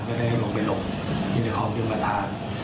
ก็ได้หลบไปหลบยนต์คลองชนละประธาน